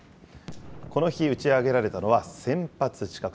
この日、打ち上げられたのは１０００発近く。